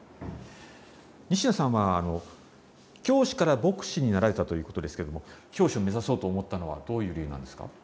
西田さんは教師から牧師になられたということですけども教師を目指そうと思ったのはどういう理由なんですか？